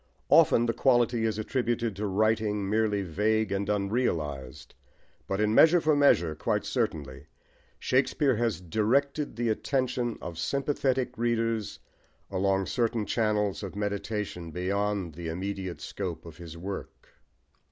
Often the quality is attributed to writing merely vague and unrealised, but in Measure for Measure, quite certainly, Shakespeare has directed the attention of sympathetic readers along certain channels of meditation beyond the immediate scope of his work.